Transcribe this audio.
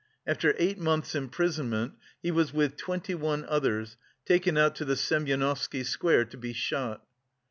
After eight months' imprisonment he was with twenty one others taken out to the Semyonovsky Square to be shot.